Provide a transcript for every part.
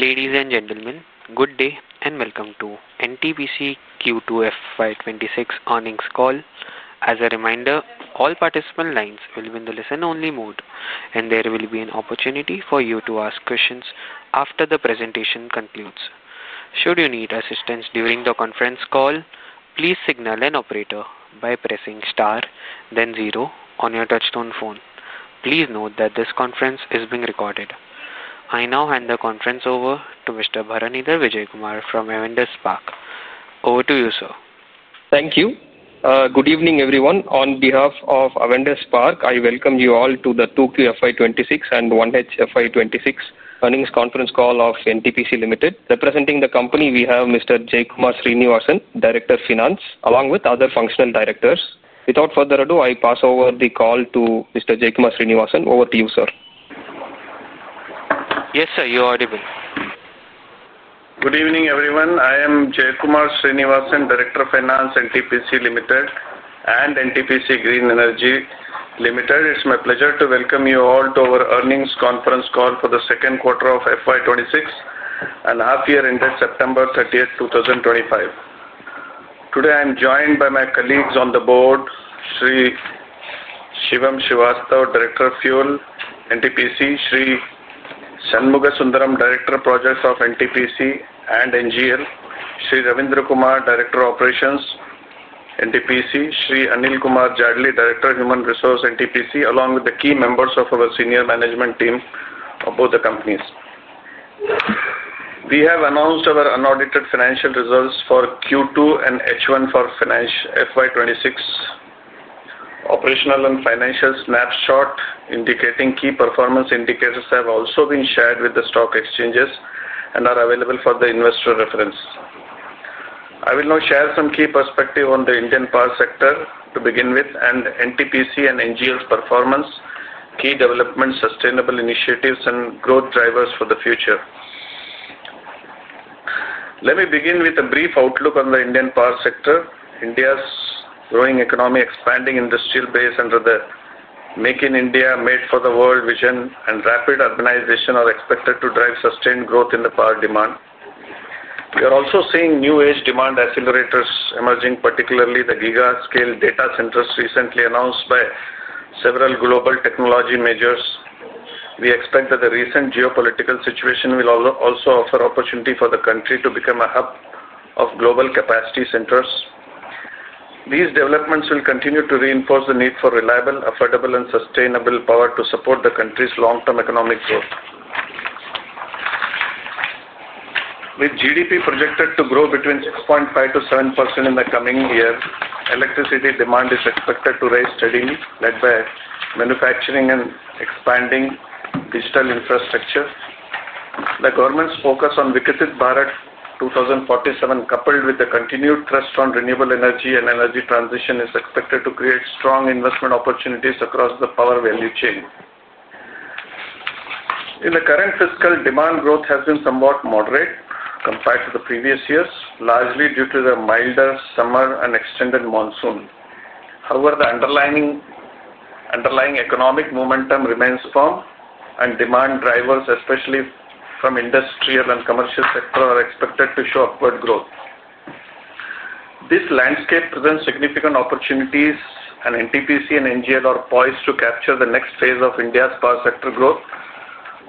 Ladies and gentlemen, good day and welcome to NTPC Q2 FY 2026 earnings call. As a reminder, all participant lines will be in the listen-only mode and there will be an opportunity for you to ask questions after the presentation concludes. Should you need assistance during the conference call, please signal an operator by pressing Star then zero on your touch-tone phone. Please note that this conference is being recorded. I now hand the conference over to Mr. Bharanidhar Vijayakumar from Avendus Spark. Over to you, sir. Thank you. Good evening everyone. On behalf of Avendus Spark, I welcome you all to the Q2 FY 2026 and H1 FY 2026 earnings conference call of NTPC Limited. Representing the company, we have Mr. Jaikumar Srinivasan, Director, Finance, along with other functional directors. Without further ado, I pass over the call to Mr. Jaikumar Srinivasan. Over to you, sir. Yes sir, you're audible. Good evening everyone. I am Jaikumar Srinivasan, Director, Finance, NTPC Limited and NTPC Green Energy Limited. It's my pleasure to welcome you all to our earnings conference call for the second quarter of FY 2026 and half year ended September 30, 2025. Today I am joined by my colleagues on the Board, Sri Shivam Srivastava, Director, Fuel, NTPC, Sri Shanmugha Sundaram, Director, Projects, NTPC and NGL, Sri Ravindra Kumar, Director, Operations, NTPC, Sri Anil Kumar Jadli, Director, Human Resources, NTPC, along with the key members of our senior management team of both the companies. We have announced our unaudited financial results for Q2 and H1 for FY 2026. Operational and financial snapshot indicating key performance indicators have also been shared with the stock exchanges and are available for investor reference. I will now share some key perspective on the Indian power sector to begin with and NTPC and NGL's performance, key developments, sustainable initiatives, and growth drivers for the future. Let me begin with a brief outlook on the Indian power sector. India's growing economy, expanding industrial base under the Make in India, Made for the World vision, and rapid urbanization are expected to drive sustained growth in the power demand. We are also seeing new age demand accelerators emerging, particularly the GIGA scale data centers recently announced by several global technology majors. We expect that the recent geopolitical situation will also offer opportunity for the country to become a hub of global capacity centers. These developments will continue to reinforce the need for reliable, affordable, and sustainable power to support the country's long-term economic growth. With GDP projected to grow between 6.5%-7% in the coming year, electricity demand is expected to rise steadily, led by manufacturing and expanding digital infrastructure. The government's focus on Viksit Bharat 2047, coupled with the continued thrust on renewable energy and energy transition, is expected to create strong investment opportunities across the power value chain. In the current fiscal, demand growth has been somewhat moderate compared to the previous years, largely due to the milder summer and extended monsoon. However, the underlying economic momentum remains firm and demand drivers, especially from industrial and commercial sector, are expected to show upward growth. This landscape presents significant opportunities and NTPC and NTPC Green Energy Limited are poised to capture the next phase of India's power sector growth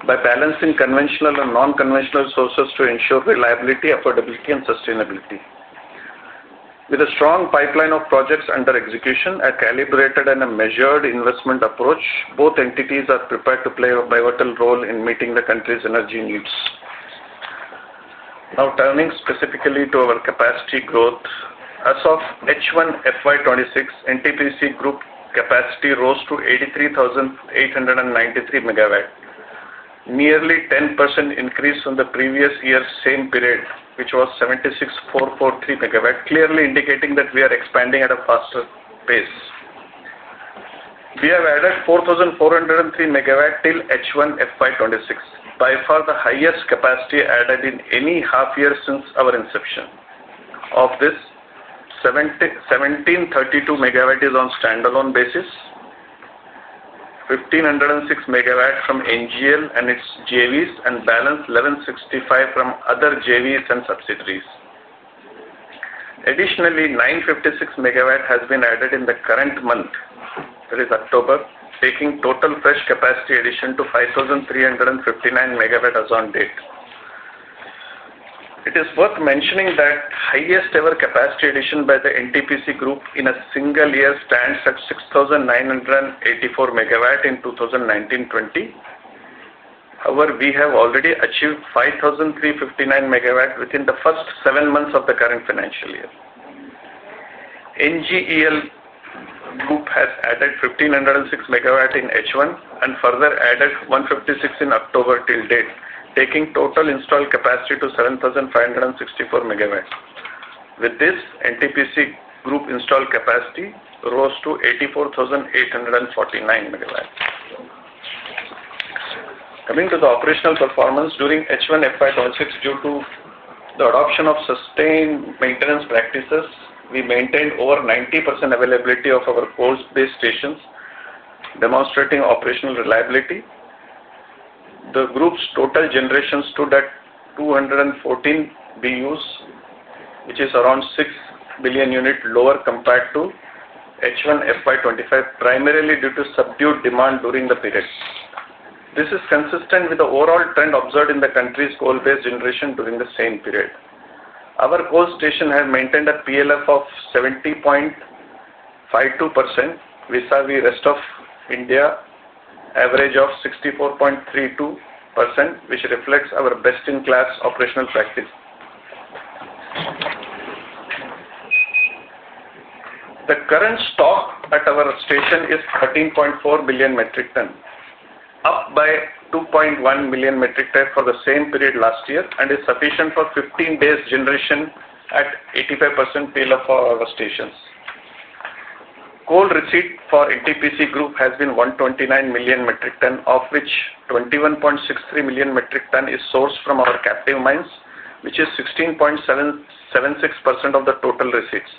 by balancing conventional and non-conventional sources to ensure reliability, affordability, and sustainability. With a strong pipeline of projects under execution and a calibrated and measured investment approach, both entities are prepared to play a pivotal role in meeting the country's energy needs. Now turning specifically to our capacity growth, as of H1 FY 2026, NTPC group capacity rose to 83,893 MW, nearly a 10% increase from the previous year's same period, which was 76,443 MW, clearly indicating that we are expanding at a faster pace. We have added 4,403 MW till H1 FY 2026, by far the highest capacity added in any half year since our inception. Of this, 1,732 MW is on a standalone basis, 1,506 MW from NTPC Green Energy Limited and its JVs, and the balance 1,165 MW from other JVs and subsidiaries. Additionally, 956 MW has been added in the current month, i.e., October, taking total fresh capacity addition to 5,359 MW as on date. It is worth mentioning that the highest ever capacity addition by the NTPC group in a single year stands at 6,984 MW in 2019-2020. However, we have already achieved 5,359 MW within the first seven months of the current financial year. NTPC Green Energy Limited group has added 1,506 MW in H1 and further added 156 MW in October till date, taking total installed capacity to 7,564 MW. With this, NTPC group installed capacity rose to 84,849 MW. Coming to the operational performance during H1 FY 2026, due to the adoption of sustained maintenance practices, we maintained over 90% availability of our coal-based stations, demonstrating operational reliability. The group's total generation stood at 214 billion units, which is around 6 billion units lower compared to H1 FY 2025, primarily due to subdued demand during the period. This is consistent with the overall trend observed in the country's coal-based generation during the same period. Our coal stations have maintained a PLF of 70.52% vis-à-vis rest of India average of 64.32%, which reflects our best-in-class operational practice. The current stock at our stations is 13.4 million metric tons, up by 2.1 million metric tons for the same period last year, and is sufficient for 15 days' generation at 85% payload for our stations. Coal receipt for NTPC group has been 129 million metric tons, of which 21.63 million metric tons is sourced from our captive mines, which is 16.76% of the total receipts.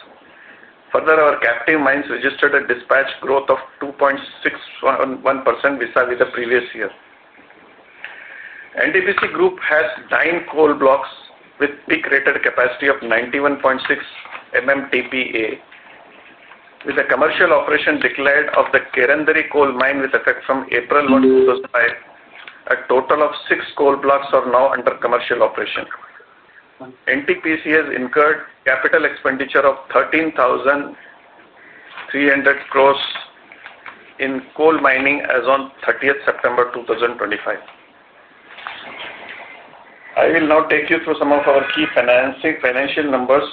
Further, our captive mines registered a dispatch growth of 2.611% vis-à-vis the previous year. NTPC Group has nine coal blocks with peak rated capacity of 91.6 million TPA with a commercial operation declared of the Kerandari coal mine with effect from 04-01-2005. A total of six coal blocks are now under commercial operation. NTPC has incurred capital expenditure of 13,300 crore in coal mining as on 30th September 2025. I will now take you through some of our key financial numbers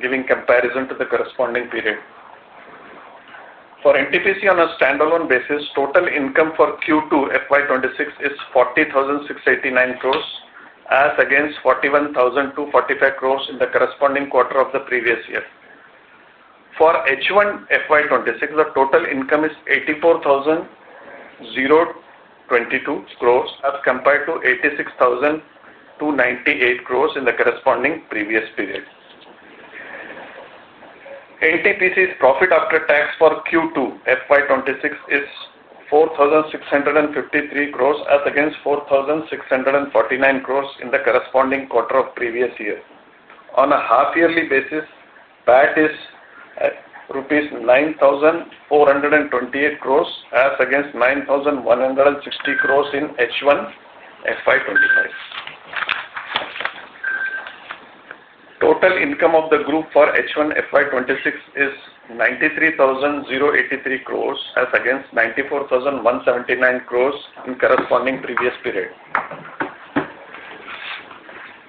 giving comparison to the corresponding period for NTPC on a standalone basis. Total income for Q2 FY 2026 is 40,689 crore as against 41,245 crore in the corresponding quarter of the previous year. For H1 FY 2026 the total income is 84,022 crore as compared to 86,298 crore in the corresponding previous period. NTPC's profit after tax for Q2 FY 2026 is 4,653 crore as against 4,649 crore in the corresponding quarter of previous year. On a half yearly basis, PAT is rupees 9,428 crore as against 9,160 crore in H1 FY 2025. Total income of the group for H1 FY 2026 is 93,083 crore as against 94,179 crore in corresponding previous period.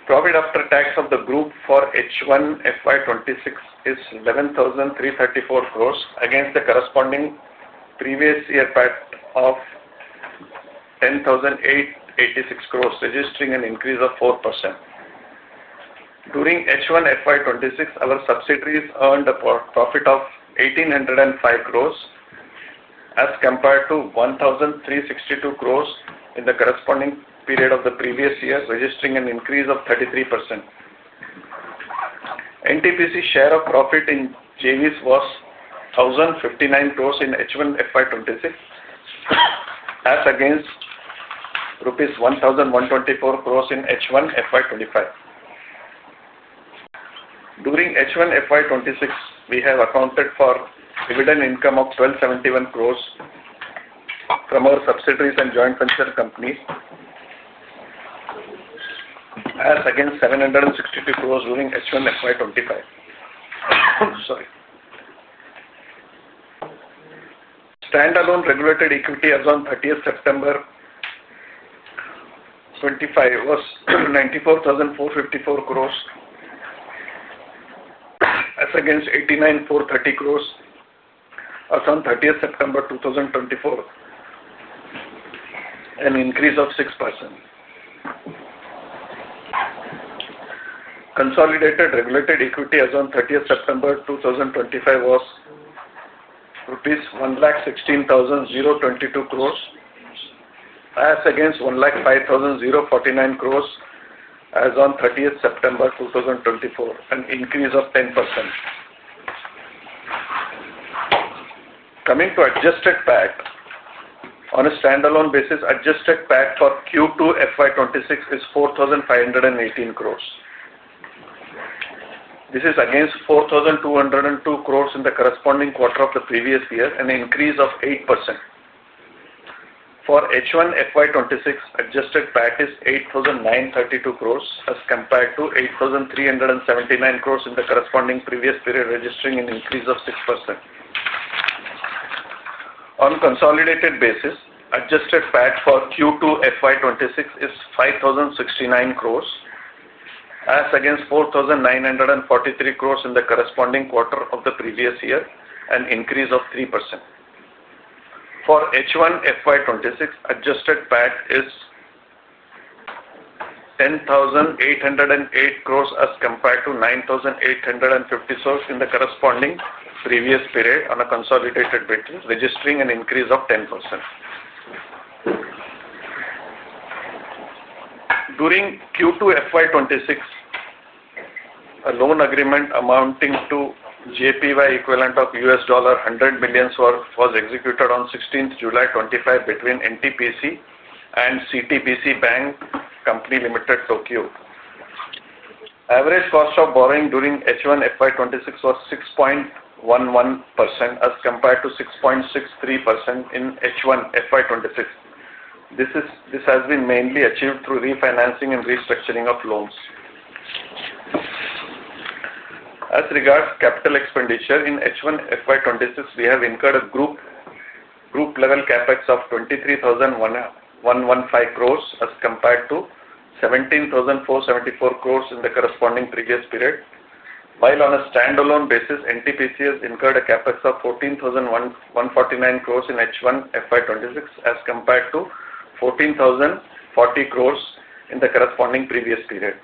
Profit after tax of the group for H1 FY 2026 is 11,334 crore against the corresponding previous year PAT of 10,886 crore, registering an increase of 4%. During H1 FY 2026 our subsidiaries earned a profit of 1,805 crore as compared to 1,362 crore in the corresponding period of the previous year, registering an increase of 33%. NTPC share of profit in JVs was 1,059 crore in H1 FY 2026 as against rupees 1,124 crore in H1 FY 2025. During H1 FY 2026 we have accounted for dividend income of 1,271 crore from our subsidiaries and joint venture companies as against 762 crore during H1 FY 2025. Standalone regulated equity as on 30-09-2025 was 94,454 crore as against 89,430 crore as on 30-09-2024, an increase of 6%. Consolidated regulated equity as on 30-09-2025 was INR 1,16,022 crore as against 1,05,049 crore as on 30-09-2024, an increase of 10%. Coming to adjusted PAT on a standalone basis, adjusted PAT for Q2 FY 2026 is 4,518 crore. This is against 4,202 crore in the corresponding quarter of the previous year, an increase of 8%. For H1 FY 2026, adjusted PAT is 8,932 crore as compared to 8,379 crore in the corresponding previous period, registering an increase of 6%. On consolidated basis, adjusted PAT for Q2 FY 2026 is 5,069 crore as against 4,943 crore in the corresponding quarter of the previous year, an increase of 3% for H1 FY 2026. Adjusted PAT is 10,808 crore as compared to 9,850 crore in the corresponding previous period. On a consolidated business registering an increase of 10% during Q2 FY 2026, a loan agreement amounting to JPY equivalent of $100 million was executed on July 16, 2025, between NTPC Limited and CTBC Bank Co. Ltd. Tokyo. Average cost of borrowing during H1 FY 2026 was 6.11% as compared to 6.63% in H1 FY 2026. This has been mainly achieved through refinancing and restructuring of loans. As regards capital expenditure in H1 FY 2026, we have incurred a group level CapEx of 23,115 crore as compared to 17,474 crore in the corresponding previous period. While on a standalone basis, NTPC Limited has incurred a CapEx of 14,149 crore in H1 FY 2026 as compared to 14,040 crore in the corresponding previous period.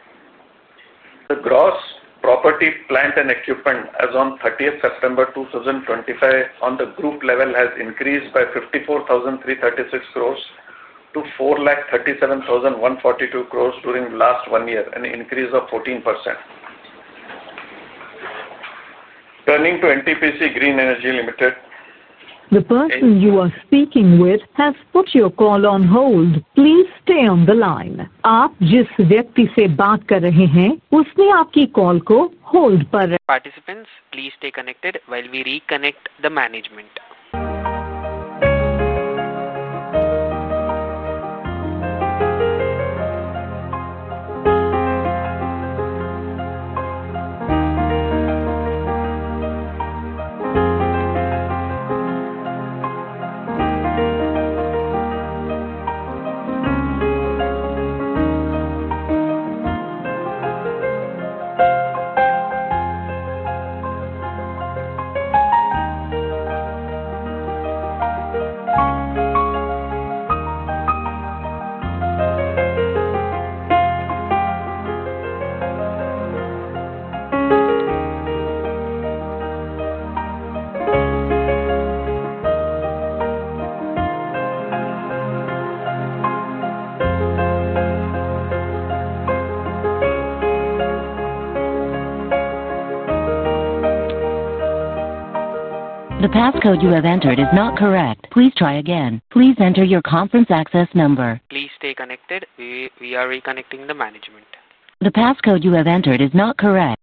The gross property, plant and equipment as on September 30th, 2025, on the group level has increased by 54,336 crore to 4,37,142 crore during last one year, an increase of 14%. Turning to NTPC Green Energy Limited. The person you are speaking with has put your call on hold. Please stay on the line. Participants, please stay connected while we reconnect the management. The passcode you have entered is not correct. Please try again. Please enter your conference access number. Please stay connected. We are reconnecting the management. The passcode you have entered is not correct.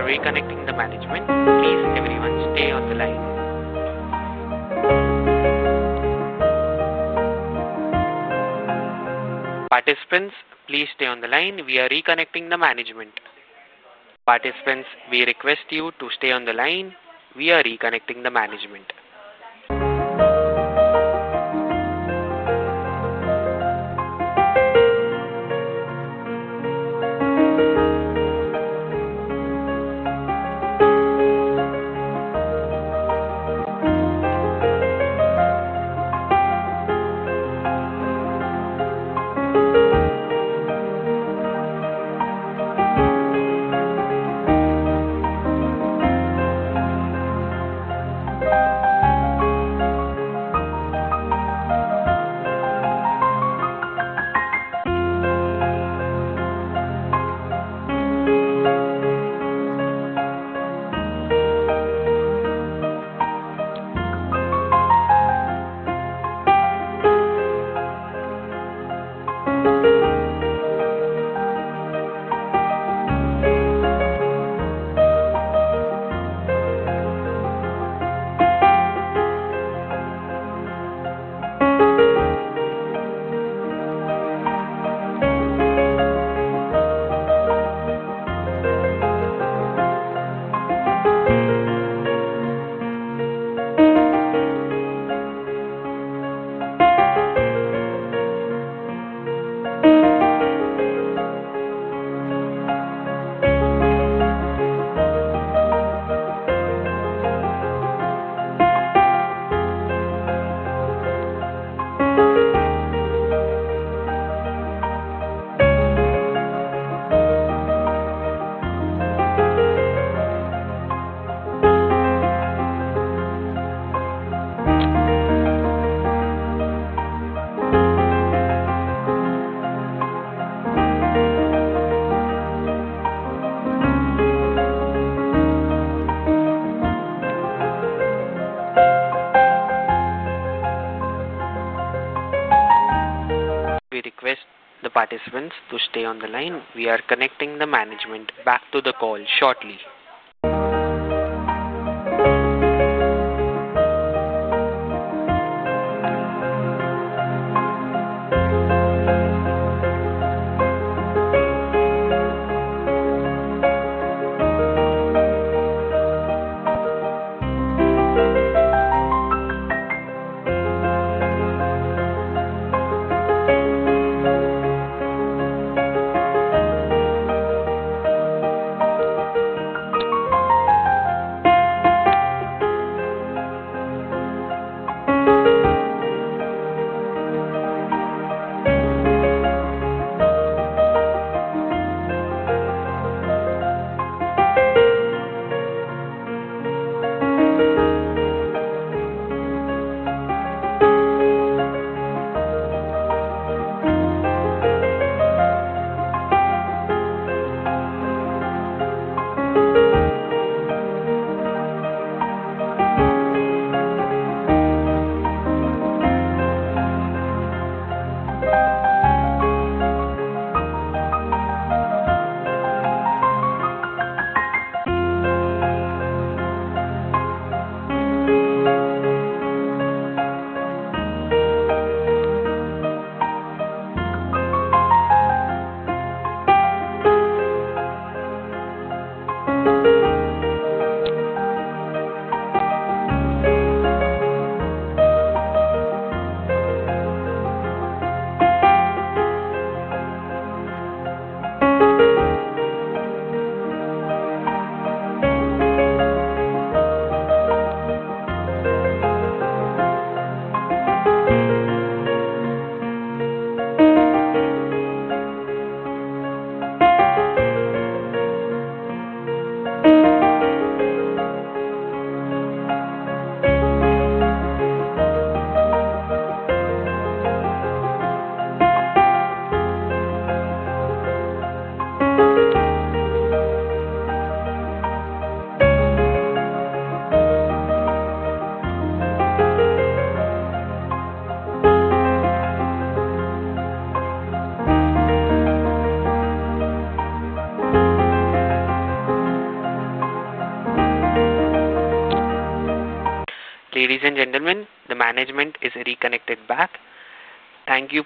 Sa. Sam. Participants, we are reconnecting the management. Please everyone stay on the line. Participants, please stay on the line. We are reconnecting the management. Participants, we request you to stay on the line. We are reconnecting the management. Sa. SAM. Sa. We request the participants to stay on the line. We are connecting the management back to the call shortly.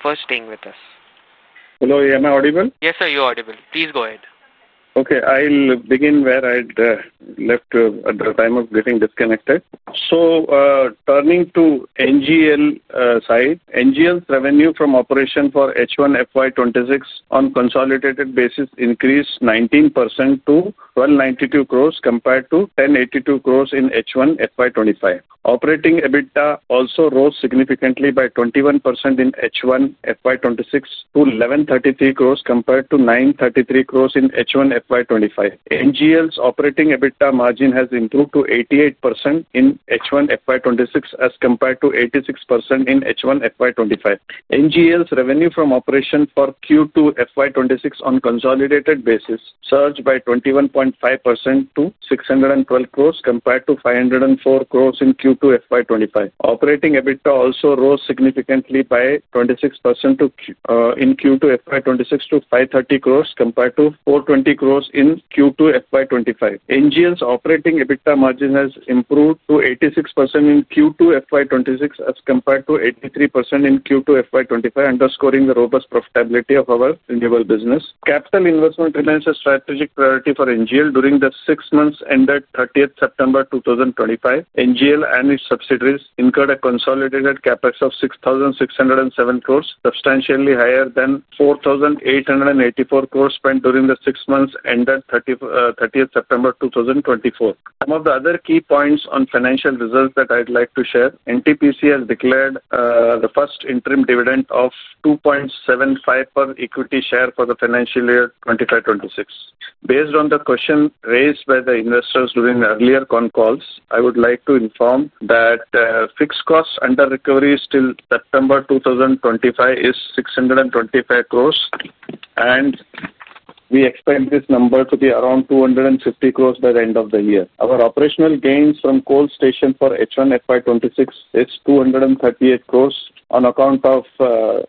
Ladies and gentlemen, the management is reconnected back. Thank you for staying with us. Hello. Am I audible? Yes sir, you're audible. Please go ahead. Okay, I'll begin where I'd left at the time of getting disconnected. Turning to NGL side, NGL's revenue from operation for H1 FY 2026 on consolidated basis increased 19% to 1,292 crore compared to 1,082 crore in H1 FY 2025. Operating EBITDA also rose significantly by 21% in H1 FY 2026 to 1,133 crore compared to 933 crore in H1 FY 2025. NGL's operating EBITDA margin has improved to 88% in H1 FY 2026 as compared to 86% in H1 FY 2025. NGL's revenue from operation for Q2 FY 2026 on consolidated basis surged by 21.5% to 612 crore compared to 504 crore in Q2 FY 2025. Operating EBITDA also rose significantly by 26% in Q2 FY 2026 to 530 crore compared to 420 crore in Q2 FY 2025. NGL's operating EBITDA margin has improved to 86% in Q2 FY 2026 as compared to 83% in Q2 FY 2025. Underscoring the robust profitability of our renewable business, capital investment remains a strategic priority for NGL. During the six months ended 30 September 2025, NGL and its subsidiaries incurred a consolidated CapEx of 6,607 crore, substantially higher than 4,884 crore spent during the six months ended 30 September 2024. Some of the other key financial results that I'd like to share: NTPC has declared the first interim dividend of 2.75 per equity share for the financial year 2025-26. Based on the question raised by the investors during earlier con calls, I would like to inform that fixed costs under recovery till September 2025 is 625 crore and we expect this number to be around 250 crore by the end of the year. Our operational gains from coal station for H1 FY 2020 is 238 crore on account of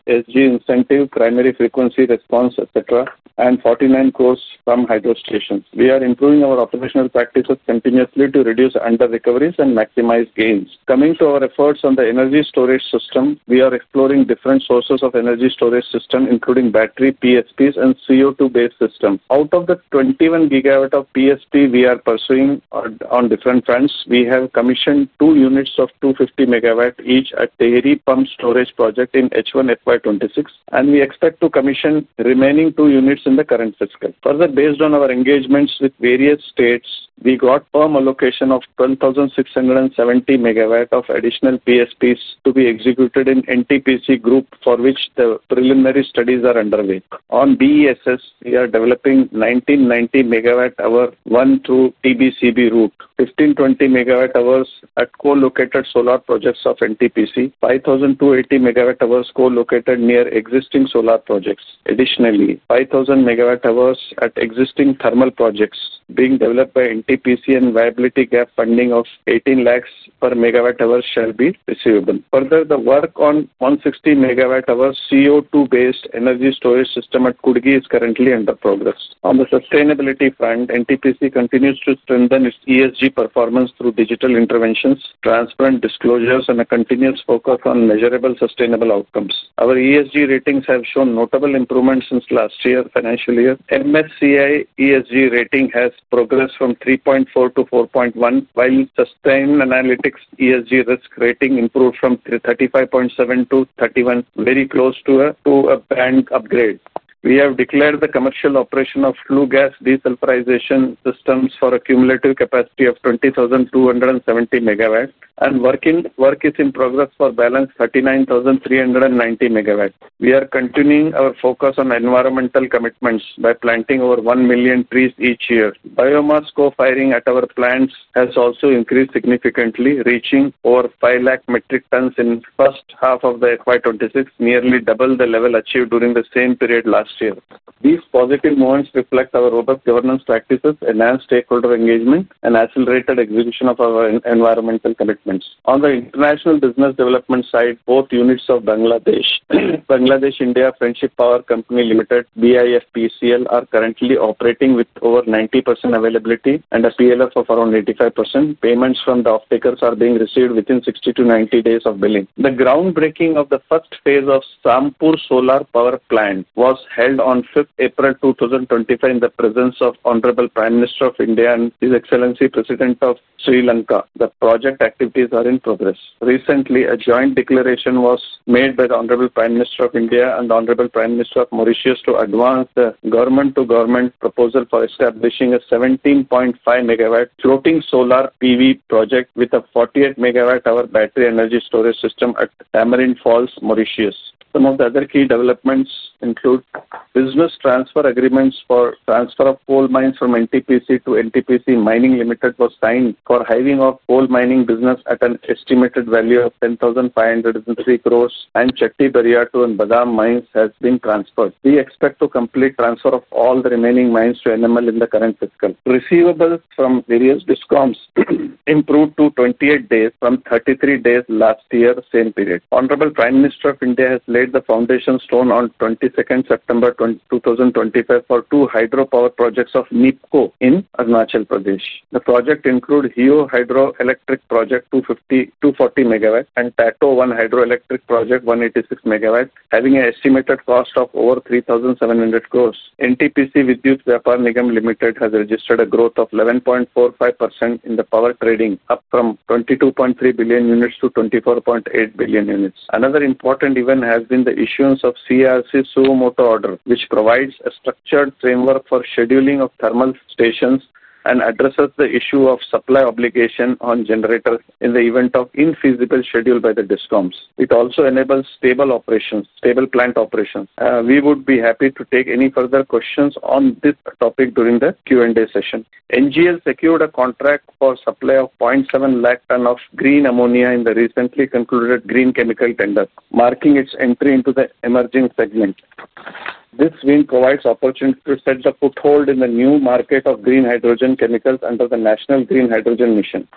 SG incentive, primary frequency response, etc., and 49 crore from hydro stations. We are improving our operational practices continuously to reduce under recoveries and maximize gains. Coming to our efforts on the energy storage system, we are exploring different sources of energy storage system including battery, PSPs, and CO₂-based system. Out of the 21 GW of PSP we are pursuing on different fronts, we have commissioned two units of 250 MW each at Tehri Pumped Storage Project in H1 FY 2026 and we expect to commission remaining two units in the current fiscal. Further, based on our engagements with various states, we got firm allocation of 12,670 MW of additional PSPs to be executed in NTPC group for which the preliminary studies are underway. On BESS, we are developing 1,990 MWh, one through TBCB route, 1,520 MWh at co-located solar projects of NTPC, and 5,280 MWh co-located near existing solar projects. Additionally, 5,000 MWhs at existing thermal projects being developed by NTPC and viability gap funding of 1.8 million perMWh shall be receivable. Further, the work on 160 MWhs CO₂-based energy storage system at Kudgi is currently under progress. On the sustainability front, NTPC continues to strengthen its ESG performance through digital interventions, transparent disclosures, and a continuous focus on measurable sustainable outcomes. Our ESG ratings have shown notable improvements. In last financial year, MSCI ESG rating has progressed from 3.4-4.1, while Sustainalytics' ESG risk rating improved from 35.7 to 31. Very close to a bank upgrade, we have declared the commercial operation of flue gas desulfurization systems for a cumulative capacity of 20,270 MW, and work is in progress for balance 39,390 MW. We are continuing our focus on environmental commitments by planting over 1 million trees each year. Biomass co-firing at our plants has also increased significantly, reaching over 500,000 metric tons in first half of the FY 2026, nearly double the level achieved during the same period last year. These positive moments reflect our robust governance practices, enhanced stakeholder engagement, and accelerated execution of our environmental commitments. On the international business development side, both units of Bangladesh-India Friendship Power Company Limited (BIFPCL) are currently operating with over 90% availability and a PLF of around 85%. Payments from the offtakers are being received within 6090 days of billing. The groundbreaking of the first phase of Sampur Solar Power Plant was held on April 5, 2025, in the presence of Honorable Prime Minister of India and His Excellency President of Sri Lanka. The project activities are in progress. Recently, a joint declaration was made by the Honorable Prime Minister of India and the Honorable Prime Minister of Mauritius to advance the government-to-government proposal for establishing a 17.5 MW floating solar PV project with a 48 MWh battery energy storage system at Tamarind Falls, Mauritius. Some of the other key developments include business transfer agreements for transfer of coal mines from NTPC to NTPC Mining Limited was signed for hiving off coal mining business at an estimated value of 10.503 billion rupees, and Chatti Bariatu and Badam mines have been transferred. We expect to complete transfer of all the remaining mines to NTPC Mining Limited in the current fiscal. Receivables from various discoms improved to 28 days from 33 days last year same period. Honorable Prime Minister of India has laid the foundation stone on 22 September 2025 for two hydropower projects of North Eastern Electric Power Corporation Limited in Arunachal Pradesh. The projects include Heo Hydroelectric Project 240 MW and Tato I Hydroelectric Project 186 MW, having an estimated cost of over 3,700 crore. NTPC Vidyut Vyapar Nigam Limited has registered a growth of 11% in the power trading, up from 22.3 billion units to 24.8 billion units. Another important event has been the issuance of CERC suo motu Order, which provides a structured framework for scheduling of thermal stations and addresses the issue of supply obligation on generator in the event of infeasible schedule by the discoms. It also enables stable plant operations. We would be happy to take any further questions on this topic during the Q and A session. NTPC Green Energy Limited secured a contract for supply of 0.7 lakh ton of green ammonia in the recently concluded green chemical tender, marking its entry into the emerging segment. This win provides opportunity to set the foothold in the new market of green hydrogen chemicals under the National Green Hydrogen Mission.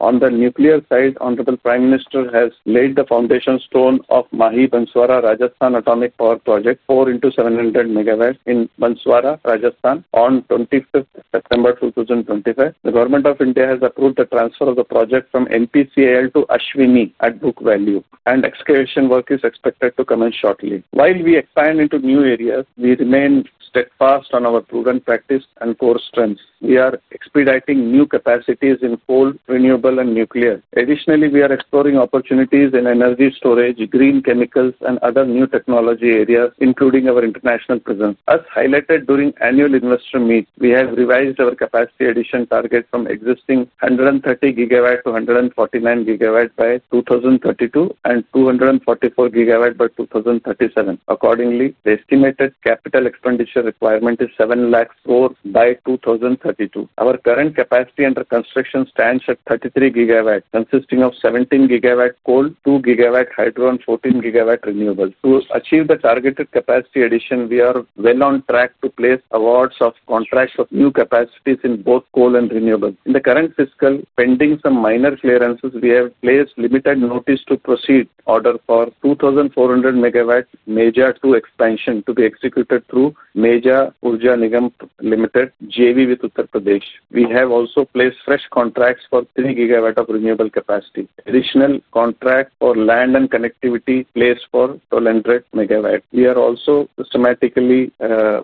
On the nuclear side, Honorable Prime Minister has laid the foundation stone of Mahi Banswara Rajasthan Atomic Power Project 4 x 700 MW in Banswara, Rajasthan on 25 September 2025. The Government of India has approved the transfer of the project NPCIL to Ashwini at book value and excavation work is expected to commence shortly. While we expand into new areas, we remain steadfast on our prudent practice and core strengths. We are expediting new capacities in coal, renewable and nuclear. Additionally, we are exploring opportunities in energy storage, green chemicals and other new technology areas including our international presence. As highlighted during annual investor meet, we have revised our capacity addition target from existing 130 GW to 149 GW by 2029 and 244 GW by 2037. Accordingly, the estimated capital expenditure requirement is 7 lakh crore by 2032. Our current capacity under construction stands at 33 GW, consisting of 17 GW coal, 2 GW hydro and 14 GW renewables. To achieve the targeted capacity addition. We are well on track to place awards of contracts of new capacities in both coal and renewable in the current fiscal pending some minor clearances. We have placed limited notice to proceed order for 2,400 MW Meija 2 expansion to be executed through Meja Urja Nigam Limited JV with Uttar Pradesh. We have also placed fresh contracts for 3 GW of renewable capacity. Additional contract for land and connectivity placed for total 100 MW. We are also systematically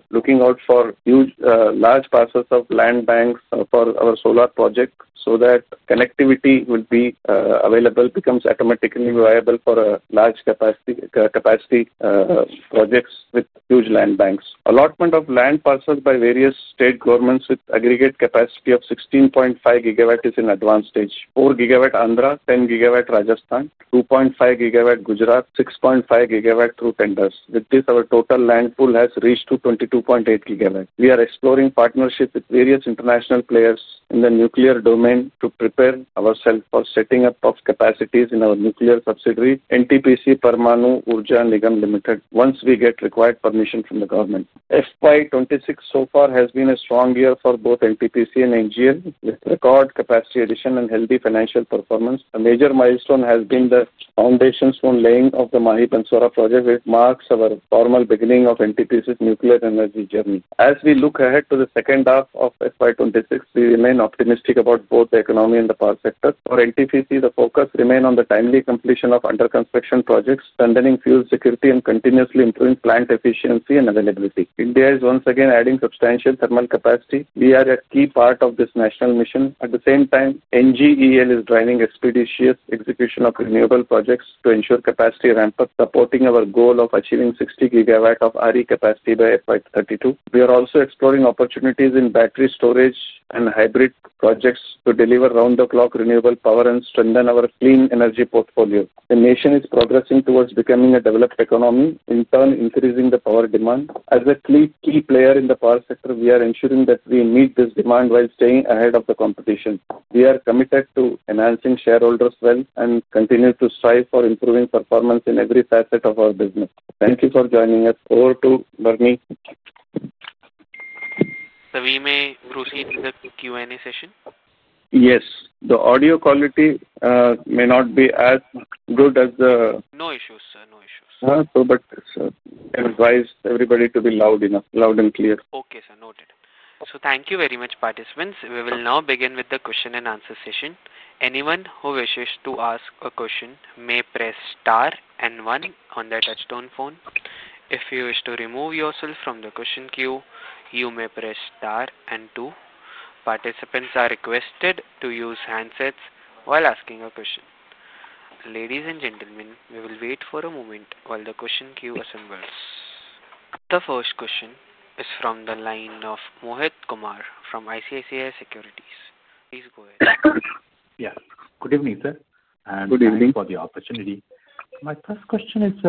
looking out for huge large parcels of land banks for our solar project so that connectivity available becomes automatically viable for large capacity projects. Projects with huge land banks, allotment of land parcels by various state governments with aggregate capacity of 16.5 GW is in advanced stage. 4 GW Andhra, 10 GW Rajasthan, 2.5 GW Gujarat, 6.5 GW through tenders. With this, our total land pool has reached to 22.8 GW. We are exploring partnership with various international players in the nuclear domain to prepare ourselves for setting up of capacities in our nuclear subsidiary NTPC Parmanu Urja Nigam Limited once we get required permission from the government. FY 2026 so far has been a strong year for both NTPC and NGL with record capacity addition and healthy financial performance. A major milestone has been the foundations on laying of the Mahi Banswara project which marks our formal beginning of entity's nuclear and energy journey. As we look ahead to the second half of FY 2026, we remain optimistic about both the economy and the power sector. For NTPC, the focus remains on the timely completion of under construction projects, strengthening fuel security and continuously improving plant efficiency and availability. India is once again adding substantial thermal capacity. We are a key part of this national mission. At the same time, NGL is driving expeditious execution of renewable projects to ensure capacity ramp up, supporting our goal of achieving 60 GW of RE capacity by 2032. We are also exploring opportunities in battery storage and hybrid projects to deliver round the clock renewable power and strengthen our clean energy portfolio. The nation is progressing towards becoming a developed economy in turn increasing the power demand. As a key player in the power sector, we are ensuring that we meet this demand while staying ahead of the competition. We are committed to enhancing shareholders' wealth and continue to strive for improving performance in every facet of our business. Thank you for joining us. Over to Bernie. We may proceed with the Q&A session. Yes, the audio quality may not be as good as the no issues, no issues. I advise everybody to be loud enough, loud and clear. Okay, sir. Noted. Thank you very much. Participants, we will now begin with the question and answer session. Anyone who wishes to ask a question may press star and one on the Touchstone phone. If you wish to remove yourself from the question queue, you may press star and two. Participants are requested to use handsets while asking a question. Ladies and gentlemen, we will wait for a moment while the question queue assembles. The first question is from the line of Mohit Kumar from ICICI Securities. Please go ahead. Yeah. Good evening, sir, and thank you for the opportunity. My first question is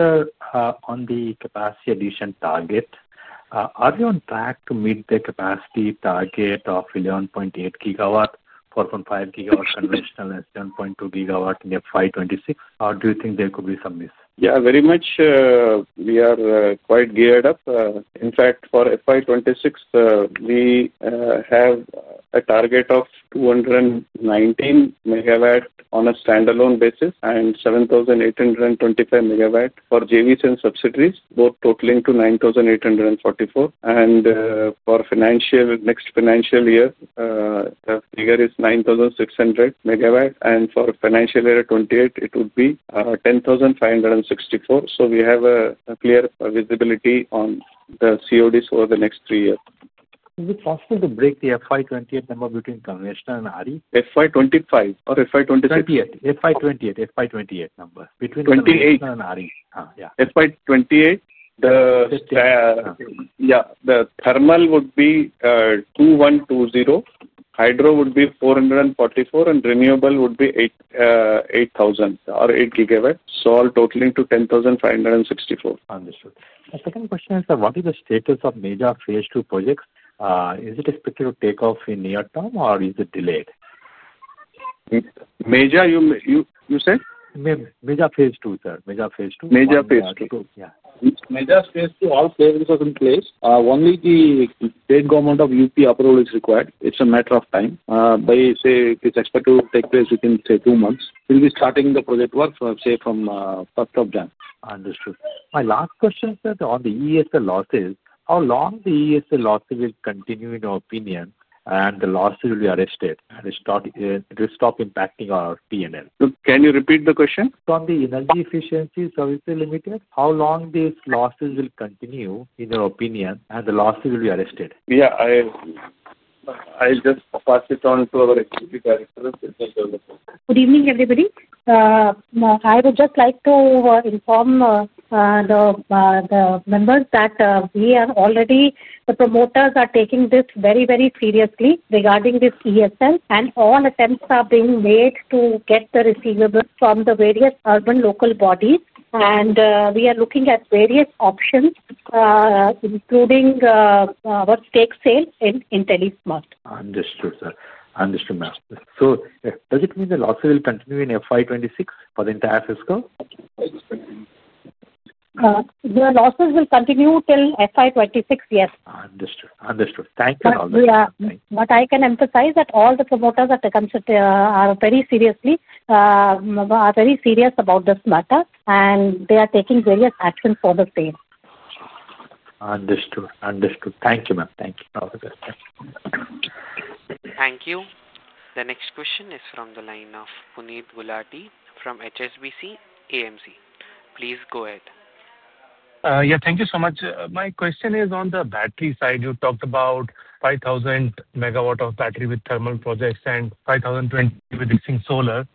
on the capacity addition target. Are we on track to meet the capacity target of 11.8 GW, 4.5 GW conventional and 7.2 GW in FY 2026 or do you think there could be some miss? Yeah, very much. We are quite geared up. In fact, for FY 2026 we have a target of 200 on a standalone basis and 7,825 MW for JVs and subsidiaries, both totaling to 9,844. For the next financial year, the figure is 9,600 MW and for financial year 2028 it would be 10,564. We have a clear visibility on the CODs over the next three years. Is it possible to break the FY 2028? Number between conventional and RE. FY 2025 or FY 2028? FY 2028. FY 2028 number between 28. Yeah. FY 2028, the thermal would be 2,120, hydro would be 444, and renewable would be 8,000 or 8 GW, all totaling to 10,564. Understood. The second question is that what is. The status of major phase two projects? Is it expected to take off in near term, or is it delayed? You said major Phase two, sir. Major Phase two. Major Phase two. Yeah, major Phase two, all approvals are in place. Only the state government of UP approval is required. It's a matter of time. If it's expected to take place, we can say two months. We'll be starting the project work from first of Jan. Understood. My last question is that on the ESLlosses, how long the ESL losses will continue in your opinion and the. Losses will be arrested and start will. Stop impacting our P&L. Can you repeat the question? Energy Efficiency Services Limited. How long these losses will continue in your opinion, and the losses will be arrested? Yeah, I'll just pass it on to our. Good evening everybody. I would just like to inform the members that we, the promoters, are taking this very, very seriously regarding this ESL, and all attempts are being made to get the receivables from the various urban local bodies. We are looking at various options, including what take sale in Intellismart. Understood, sir. Understood, ma'am. Am. Does it mean the losses will. Continue in FY 2026 for the entire fiscal. The losses will continue till FY 2026? Yes. Understood. Understood. Thank you. Yeah, I can emphasize that all the promoters are very serious about this matter, and they are taking various actions for the state. Understood? Understood. Thank you, ma'am. Am. Thank you. Thank you. The next question is from the line of Puneet Gulati from HSBC AMC. Please go ahead. Yeah, thank you so much. My question is on the battery side. You talked about 5,000 MW of battery with thermal projects and 5,020 with existing solar.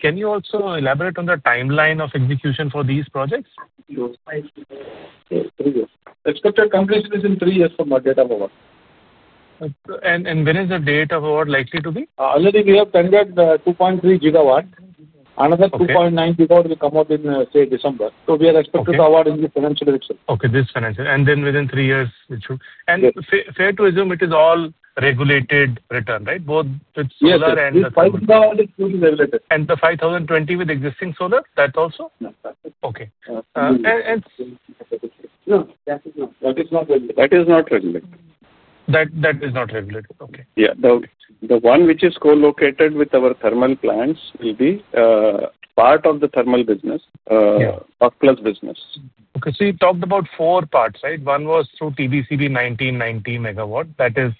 Can you also elaborate on the timeline of execution for these projects? Expected completion is in three years from our data. When is the date of award likely to be? Already we have tendered 2.3 GW. Another 2.9 GW will come out in, say, December. We are expected to award in the financial year. This financial year. Within three years it should, and fair to assume it is all regulated return, right? Both, and the 5,020 with existing solar. That also. Okay. That is not regulated. That is not regulated. Okay. Yeah. The one which is co-located with our thermal plants will be part of the thermal business. Okay. You talked about four parts, right? One was through TBCB, 1,990 MW. That is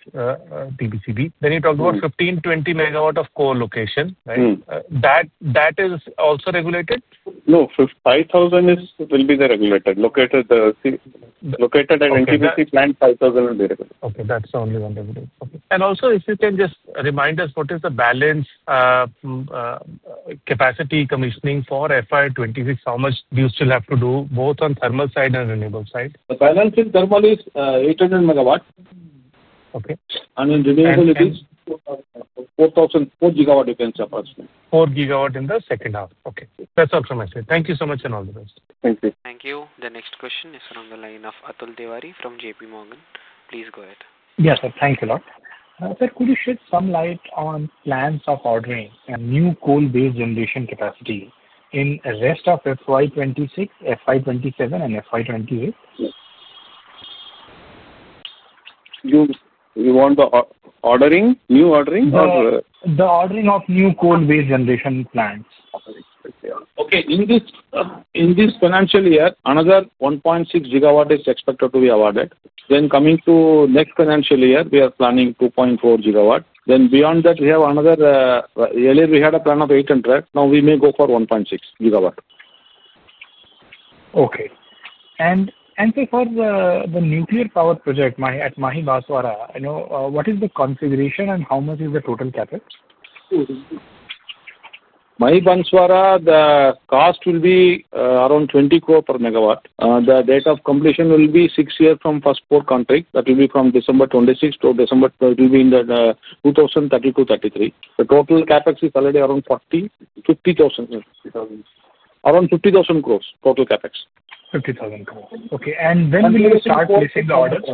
TBCB. You talked about 1,520 MW of core location. That is also regulated. No, 5,000 will be the regulator located at NGBC Plan, 5,000. Okay. That's the only one. Also, if you can just remind us what is the balance capacity commissioning for FY 2026. How much do you still have to do both on the thermal side and renewable side? The balance in thermal is 800 MW. Okay. In renewable it is 4.004 GW. You can say 4 GW in the second half. Okay, that's optimized. Thank you so much. All the rest. Thank you. Thank you. The next question is along the line of Atul Davarefrom JPMorgan. Please go ahead. Yes sir. Thank you a lot. Sir, could you shed some light on plans of ordering a new coal-based generation capacity in rest of FY 2026, FY 2027, and FY 2028. You want the new ordering. Ordering of new coal-based generation plants. Okay. In this financial year, another 1.6 GW is expected to be awarded. Coming to next financial year, we are running 2.4 GW. Beyond that, we have another. Earlier we had a plan of 800. Now we may go for 1.6 GW. Okay. For the nuclear power project at Mahi Banswara, you know what is the configuration and how much is the total CapEx. The cost will be around 20 crore per MW. The date of completion will be six years from first port contract. That will be from December 2026 or December it will be in the 2032-33. The total CapEx is already around 40,000-50,000. Around 50,000 crore. Total CapEx 50,000 crore. Okay, when will you start placing the orders?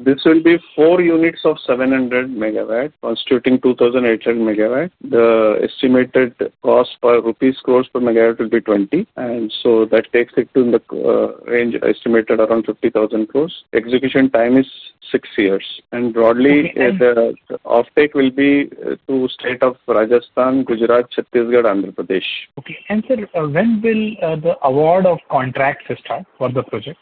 This will be 4 units of 700 MW constituting 2,800 MW. The estimated cost in rupees crores per MW will be 20, and so that takes it to the range estimated around 50,000 crores. Execution time is 6 years, and broadly the offtake will be through the states of Rajasthan, Gujarat, Chhattisgarh, and Andhra Pradesh. Okay, answer. When will the award of contracts start for the project?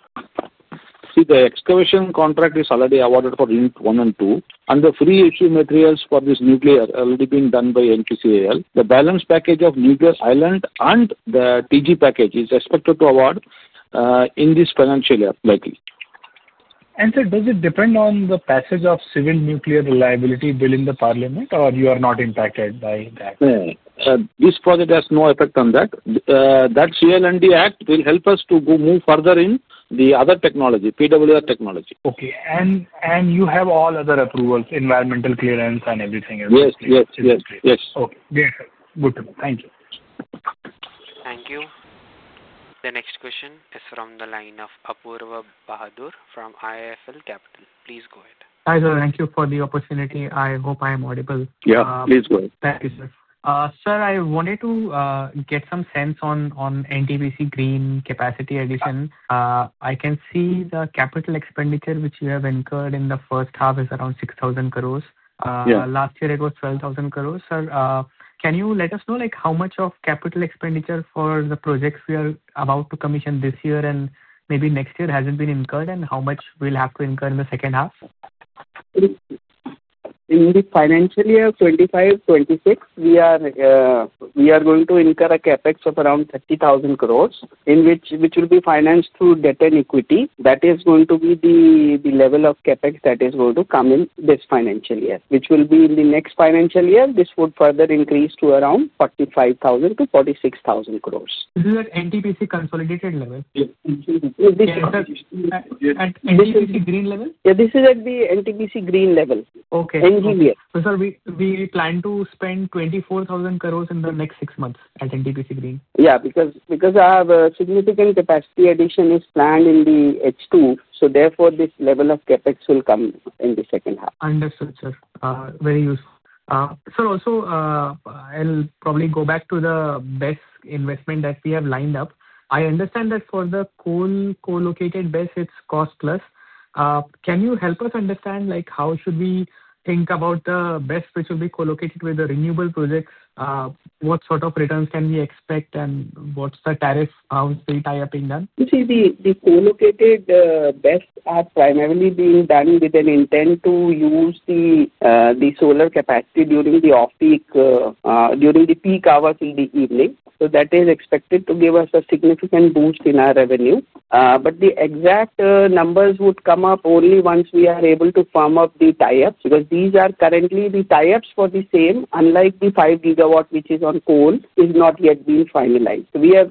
See, the excavation contract is already awarded for link one and two, and the free issue materials for this nuclear already. Being done by NTPC Limited. The balance package of nuclear island. The TG package is expected to have. For this financial year likely. Does it depend on the passage of the civil nuclear reliability bill in the Parliament, or are you not impacted by that? This project has no effect on that. That CLNDA Act will help us to move further in the other technology, PWR technology. Okay. You have all other approvals, environmental clearance, and everything? Yes, yes. Okay, good. Thank you. Thank you. The next question is from the line of Apoorva Bahadur from IIFL Capital. Please go ahead. Thank you for the opportunity. I hope I am audible. Yeah, please go ahead, sir. I wanted to get some sense on NTPC Green capacity addition. I can see the capital expenditure which you have incurred in the first half is around 6,000 crore. Last year it was 12,000 crore. Can you let us know how much of capital expenditure for the projects we are about to commission this year and maybe next year hasn't been incurred and how much we'll have to incur in the second half? Financial year 2025- 2026 we are going to incur a CapEx of around 30,000 crore, which will be financed through debt and equity bank. That is going to be the level of CapEx that is going to come in this financial year, which will be in the next financial year. This would further increase to around 45,000-46,000 crore. This is at NTPC consolidated level, green level. Yeah, this is at the NTPC Green level. Okay, we plan to spend 24,000 crore in the next six months at NTPC Green. Yeah, because our significant capacity addition is planned in the H2, so therefore this level of CapEx will come in the second half. Understood sir, very useful sir. Also, I'll probably go back to the BESS investment that we have lined up. I understand that for the coal co-located base it's cost plus. Can you help us understand how should we think about the BESS which will be co-located with the renewable projects? What sort of returns can we expect and what's the tariff? The co-located BESS are primarily being done with an intent to use the solar capacity during the off-peak during the peak hours in the evening. That is expected to give us a significant boost in our revenue, but the exact numbers would come up only once we are able to firm up the tie-ups because these are currently the tie-ups for the same. Unlike the 5 GW which is on coal, it is not yet being finalized. We are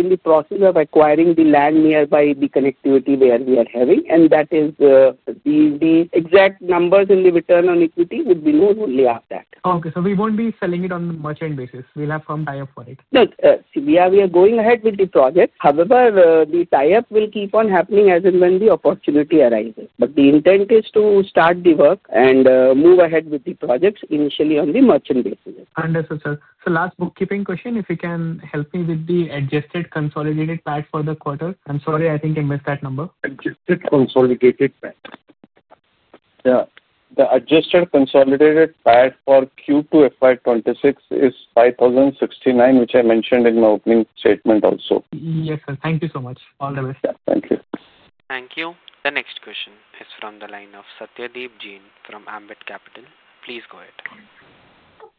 in the process of acquiring the land nearby, the connectivity where we are having, and the exact numbers in the return on equity would be known only after that. Okay, so we won't be selling it on merchant basis. We'll have some tie-up for it. We are going ahead with the project. However, the tie-up will keep on happening as and when the opportunity arises. The intent is to start the work and move ahead with the projects initially on the merchant basis. Last bookkeeping question. If you can help me with the adjusted consolidated PAT for the quarter. I'm sorry, I think I missed that number. Consolidated? Yeah. The adjusted consolidated PAT for Q2 FY 2026 is 5,069 million, which I mentioned in my opening statement also. Yes sir. Thank you so much. All the best. Thank you. Thank you. The next question is from the line of Satyadeep Jain from Ambit Capital. Please go ahead.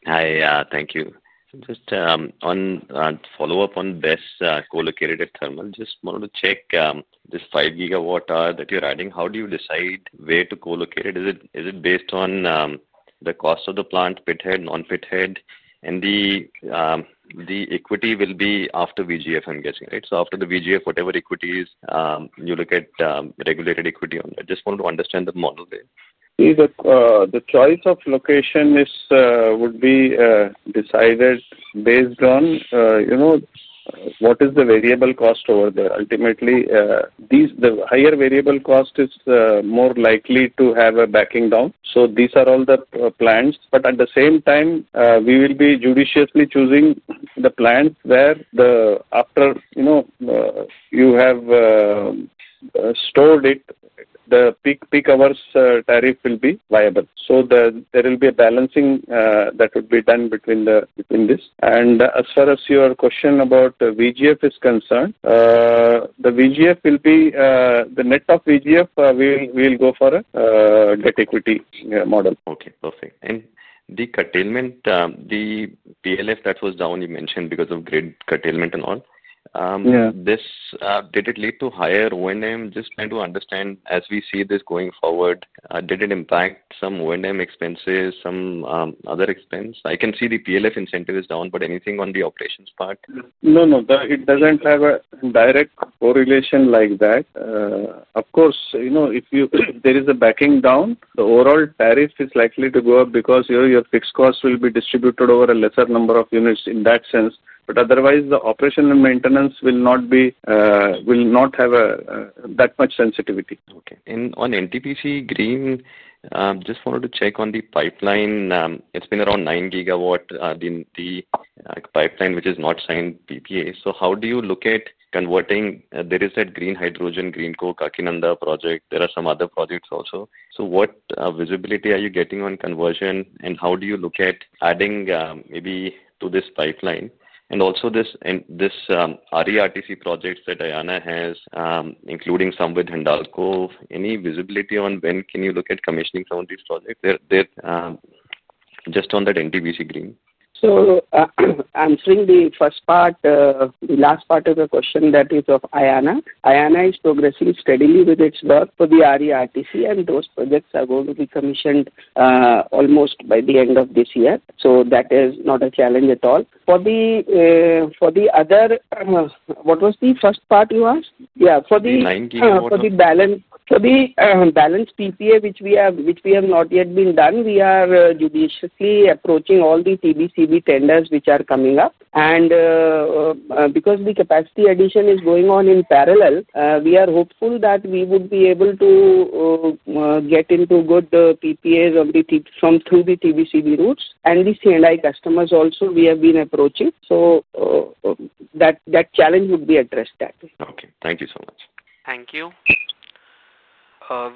Hi, thank you. Just on follow up on this CO₂-based storage located at thermal. Just wanted to check this 5 GWhthat you're adding. How do you decide where to co-locate it? Is it based on the cost of the plant, pithead, non-pithead? The equity will be after VGF. I'm guessing it's after the VGF. Whatever equities you look at, regulated equity. I just want to understand the model. The choice of location would be decided based on what is the variable cost over there. Ultimately, the higher variable cost is more likely to have a backing down. These are all the plans, but at the same time, we will be judiciously choosing the plans where, after you have stored it, the peak hours tariff will be viable. There will be a balancing that would be done between this, and as far as your question about VGF is concerned, the VGF will be the net of VGF. We will go for a debt equivalent. Okay, perfect. The curtailment, the PLF that was down you mentioned because of grid curtailment and all this, did it lead to higher O&M? Just trying to understand as we see this going forward, did it impact some O&M expenses, some other expense? I can see the PLF incentive is down, but anything on the operations part? No, no, it doesn't have a direct correlation like that. Of course, you know if there is a backing down, the overall tariff is likely to go up because your fixed cost will be distributed over a lesser number of units in that sense. Otherwise, the operational maintenance will not have that much sensitivity. Okay, and on NTPC Green, just wanted to check on the pipeline. It's been around 9 GW, the pipeline which is not signed PPA. How do you look at converting there? Is that green hydrogen, Greenko, Nanda project? There are some other projects also. What visibility are you getting on conversion, and how do you look at adding maybe to this pipeline? Also, these RE-RTC projects that Ayana has, including some with Hindalco, any visibility on when can you look at commissioning some of these projects just on that NTPC Green. Answering the last part of the question, that is of Ayana, Ayana is progressing steadily with its work for the RE RTC and those projects are going to be commissioned, mentioned almost by the end of this year. That is not a challenge at all. For the other, what was the first part you asked? Yeah, for the balance. For the balance TPA which we have not yet done, we are judiciously approaching all the TBCB tenders which are coming up, and because the capacity addition is going on in parallel, we are hopeful that we would be able to get into good PPAs through the TBCB routes and the CNI customers. Also, we have been approaching so that challenge would be addressed that way. Okay, thank you so much. Thank you.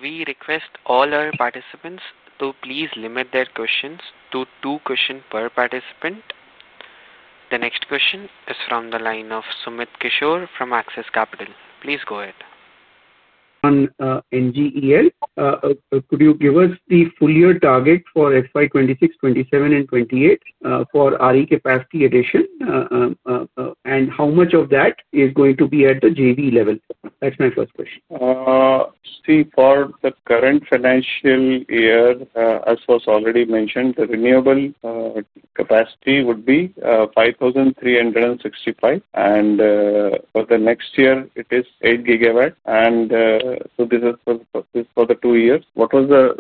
We request all our participants to please limit their questions to two questions per participant. The next question is from the line of Sumit Kishore from Axis Capital. Please go ahead. On NGL, could you give us the full year target for FY 2026,2027, and 2028 for RE capacity addition, and how much of that is going to be at the JV level? That's my first question. See, for the current financial year, as was already mentioned, the renewable capacity would be 5,365 and for the next year it is 8 GW. This is for the two years. What was the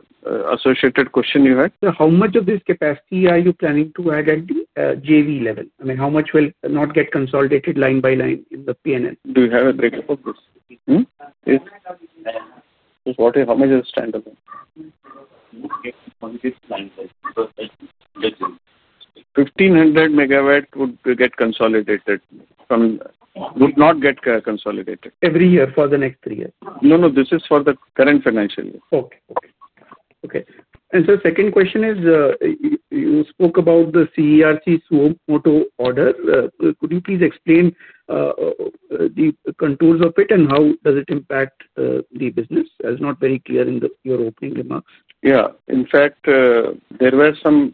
associated question you had? How much of this capacity are you planning to add at the JV level? I mean how much will not get consolidated line by line in the P&L? Do you have a breakup of goods? How much is standard? 1,500 MW would get consolidated from the would not get consolidated every year for. The next three years. No, no, this is for the current financial year. Okay. Okay. Second question is, you spoke. About the CERC suo motu Order. Could you please explain the contours of it and how does it impact the business? It's not very clear in your opening remarks. Yeah, in fact there were some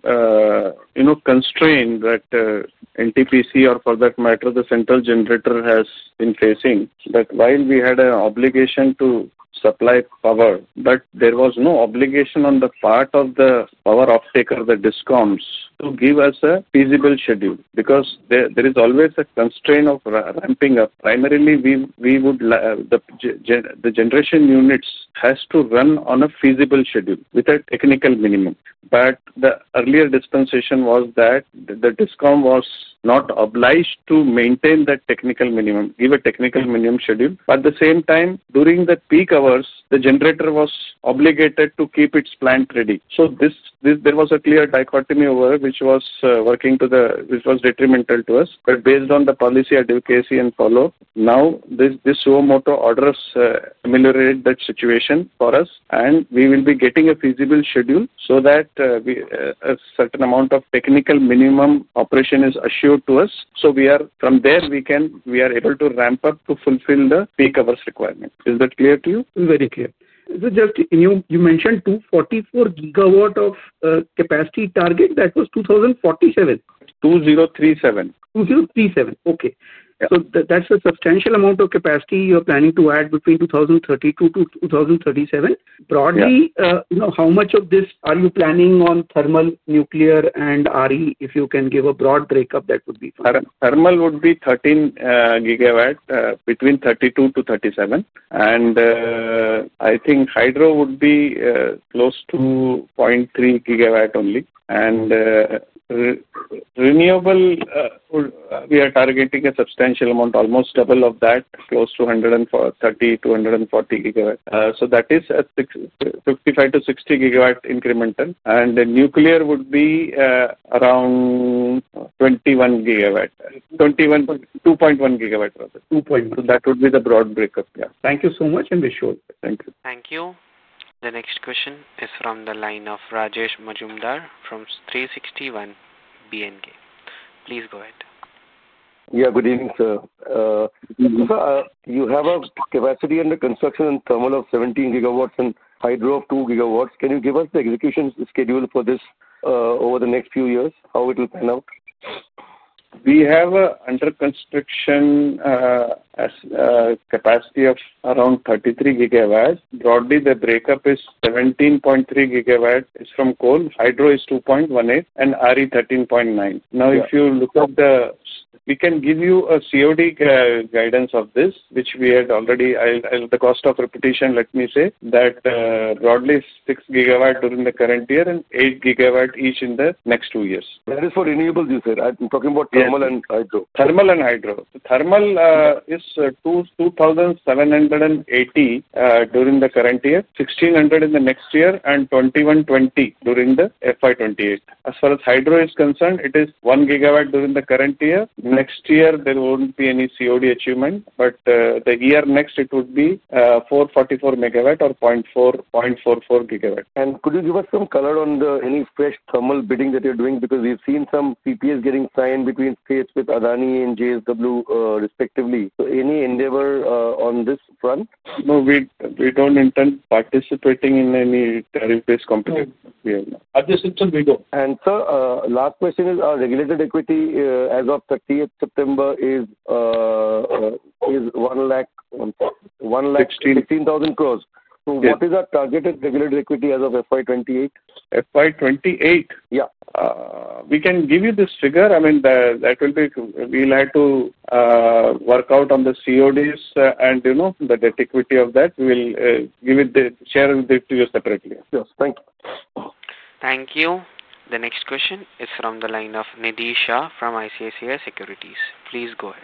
constraints that NTPC or for that matter the central generator has been facing that while we had an obligation to supply power, there was no obligation on the part of the power off-taker, the DISCOMS, to give us a feasible schedule. There is always a constraint of ramping up. Primarily, the generation units have to run on a feasible schedule with technical means. The earlier dispensation was that the DISCOM was not obliged to maintain that technical minimum or give a technical minimum schedule. At the same time, during the peak hours, the generator was obligated to keep its plant ready. There was a clear dichotomy which was detrimental to us. Based on the policy advocacy and follow-up, now this CERC suo motu Order ameliorates that situation for us and we will be getting a feasible schedule so that a certain amount of technical minimum operation is assured to us. From there, we are able to ramp up to fulfill the peak hours requirement. Is that clear to you? Very clear. You mentioned 244 GW of capacity target that was 2047. 2037. 2037. Okay. That's a substantial amount of capacity you're planning to add between 2030-2037. Broadly, how much of this are you planning on thermal, nuclear, and RE, if you can give a broad breakup, that would be. Thermal would be 13 GW between 32-37, and I think hydro would be close to 0.3 GW only, and renewable, we are targeting a substantial amount, almost double of that, close to 13-14 GW, so that is a 6.5-6.0 GW incremental, and the nuclear would be around 2.1 GW. 2.1 GW. 2 point. So that would be the broad breakup. Yeah. Thank you so much, and wish you. Thank you. Thank you. The next question is from the line of Rajesh Majumdar from 361BNK. Please go ahead. Yeah, good evening. Sir, you have a capacity under construction and thermal of 17 GW and hydro of 2 GW. Can you give us the execution schedule for this over the next few years, how it will pan out? We have under construction capacity of around 33 GW. Broadly, the breakup is 17.3 GW from coal, hydro is 2.18, and renewables 13.9. Now, if you look at the, we can give you a COD guidance of this which we had already. At the cost of repetition, let me say that broadly 6 GW during the current year and 8 GW each in the next two years. That is for renewables, you said. I'm talking about thermal and hydro. Thermal and hydro. Thermal is 2,780 during the current year, 1,600 in the next year, and 2,120 during FY 2028. As far as hydro is concerned, it is 1 GW during the current year. Next year there won't be any COD achievement, but the year next it would be 444 MW or 0.44 GW. Could you give us some color on any fresh thermal bidding that you're doing because we've seen some CPAs getting signed between states with Adani and JSW respectively. Any endeavor on this front? No, we don't intend participating in any tariff based competition at this. Sir, last question. Is our regulated equity as of 30th September 1 lakh 16,000 crores? What is our targeted regulated equity as of FY 2028? FY 2028. Yeah, we can give you this figure. I mean, that will be, we'll have to work out on the CODs and the equity of that. We'll share it with you separately. Yes, thank you. Thank you. The next question is from the line of Manisha from ICICI Securities. Please go ahead.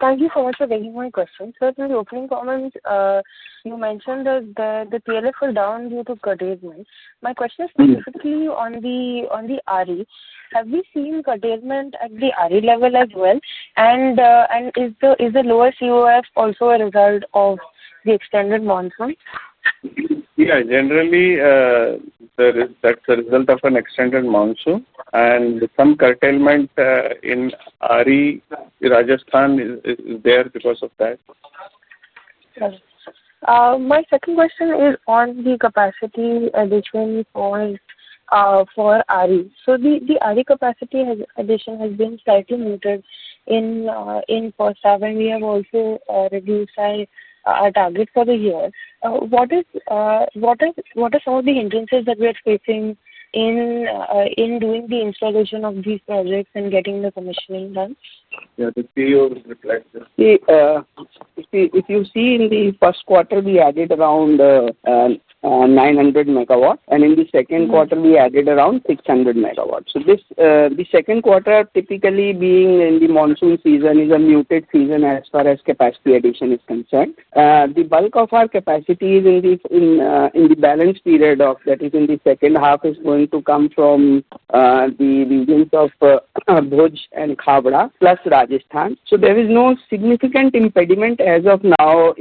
Thank you so much for taking my questions. You mentioned that the PLF will be down due to curtailment. My question is specifically on the RE. Have we seen curtailment at the RE level as well, and is the lower PLF also a result of the extended monsoon? Yeah, generally that's the result of an extended monsoon also, and some curtailment in Rajasthan is there because of that. My second question is on the capacity addition for Ari. The Ari capacity addition has been slightly muted in the first half and we have also reduced our target for the year. What are some of the hindrances that we are facing in doing the installation of these projects and getting the commissioning done? If you see in the first quarter we added around 900 MW and in the second quarter we added around 600 MW. The second quarter, typically being in the monsoon season, is a muted season as far as capacity addition is concerned. The bulk of our capacity is in the balance period, that is, in the second half, and is going to come from the regions of Bhoj and Kaba plus Rajasthan. There is no significant impediment as of now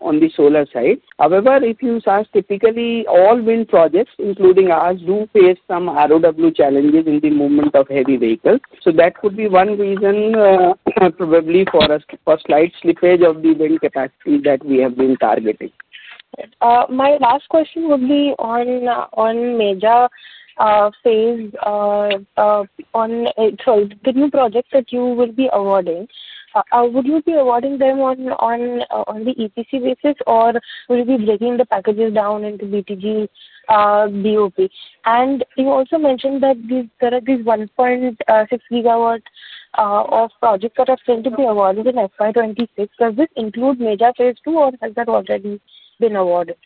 on the solar side. However, if you search, typically all wind projects, including ours, do face some ROW challenges in the movement of heavy vehicles. That could be one reason probably for a slight slippage of the wind capacity that we have been targeting. My last question would be on the new project that you will be awarding. Would you be awarding them on the ECC basis or will you be breaking the packages down into BTG BOP? You also mentioned that there are these 1.6 GW of projects that are going to be awarded in FY 2026. Does this include major phase two or has that already been awarded?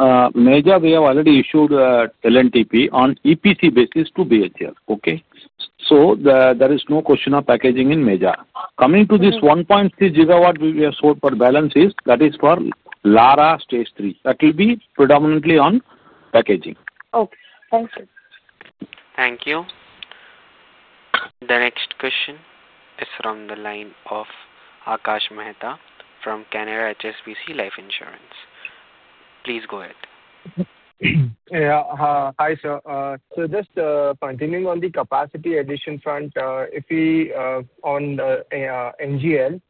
We have already issued LNTP on EPC basis to Bhartiya Rail Bijlee Company Limited. There is no question of packaging in major. Coming to this 1.3 GW, we have sold for balances. That is for Lara Stage Three; that will be predominantly on packaging. Okay, thank you. Thank you. The next question is from the line of Akash Mehta from Canara HSBC Life Insurance. Please go ahead. Yeah. Hi sir. Just continuing on the capacity addition front, if we on NGL,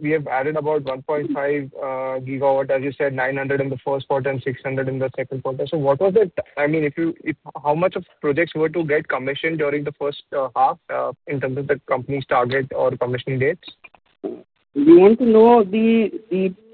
we have added about 1.5 GW as you said, 900 in the first. Quarter and 600 in the second quarter. What was it? If you, how much of projects were to get commissioned during. The first half in terms of the. Company's target or commissioning dates? You want to know the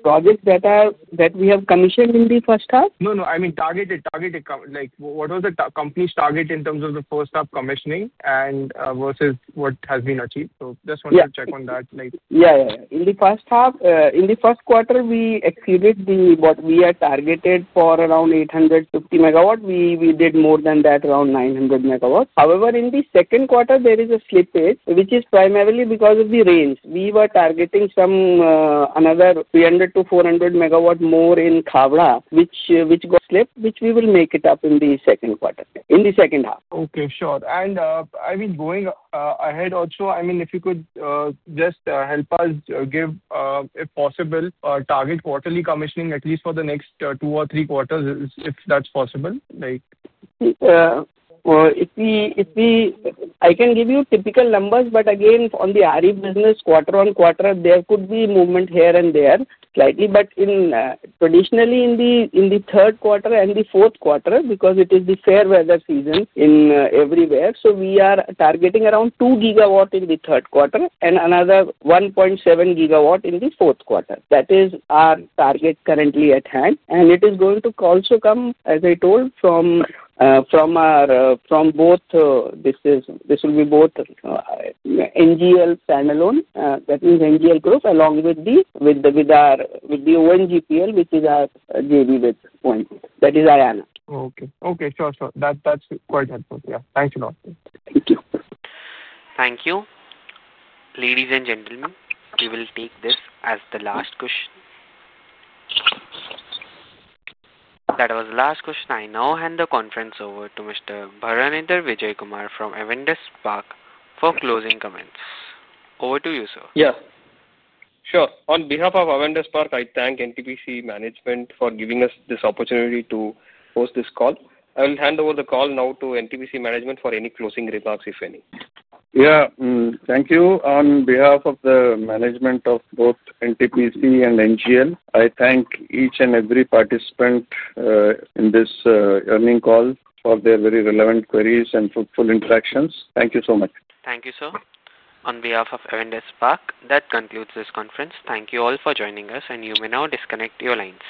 projects that we have commissioned in the first half? No, no. I mean target, target. Like what was the company's target in terms of the first half commissioning and versus what has been achieved. Just wanted to check on that. Like. Yeah, in the first half. In the first quarter we exceeded what we had targeted for around 850 MW. We did more than that at around 900 MW. However, in the second quarter there is a slippage, which is primarily because of the rain. We were targeting another 300- to 400 MW more in Kavra, which got slipped. We will make it up in the second half. Okay, sure. I mean, going ahead also, if you could just help us give, if possible, target quarterly commissioning at least for the next two or three quarters. If that's possible. I can give you typical numbers, but again, on the Arif business, quarter on quarter there could be movement here and there slightly. But in. Traditionally, in the third quarter and the fourth quarter, because it is the fair weather season everywhere, we are targeting around 2 GW in the third quarter and another 1.7 GW in the fourth quarter. That is our target currently at hand. It is going to also come, as I told, from both. This will be both NGL standalone, that means NGL Group along with our JV point, which is ONGC NTPC Green Private Limited. Okay, sure, sure. That. That's quite helpful. Yeah. Thanks a lot. Thank you. Thank you. Ladies and gentlemen, we will take this as the last question. That was the last question. I now hand the conference over to Mr. Bharanendar Vijay Kumar from Avendus Spark for closing comments. Over to you, sir. Yeah, sure. On behalf of Avendus Spark, I thank NTPC management for giving us this opportunity to host this call. I will hand over the call now to NTPC management for any closing remarks, if any. Thank you. On behalf of the management of both NTPC and NTPC Green Energy Limited, I thank each and every participant in this earnings call for their very relevant queries and fruitful interactions. Thank you so much. Thank you, sir. On behalf of Avendus Spark, that concludes this conference. Thank you all for joining us, and you may now disconnect your lines.